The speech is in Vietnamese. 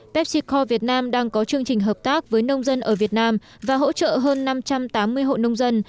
pepsico việt nam đang có chương trình hợp tác với nông dân ở việt nam và hỗ trợ hơn năm trăm tám mươi hộ nông dân